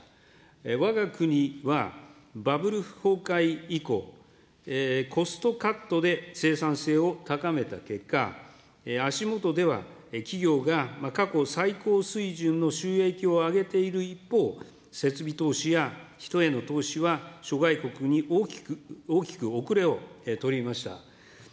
わが国は、バブル崩壊以降、コストカットで生産性を高めた結果、足下では、企業が過去最高水準の収益を上げている一方、設備投資や人への投資は諸外国に大きく後れを取りました。